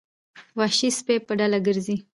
وحشي سپي په ډله ګرځي.